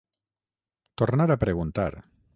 Tornar a preguntar.